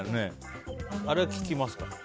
あれは効きますか？